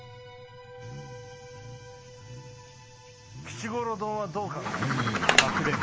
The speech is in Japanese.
吉五郎どんはどう考える？